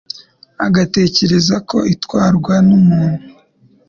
agatekereza ko itwarwa n'umuntu